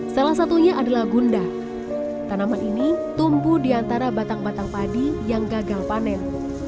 salah satunya adalah gunda tanaman ini tumbuh di antara batang batang padi yang gagal panen